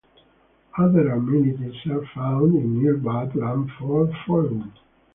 Other amenities are found in nearby Blandford Forum.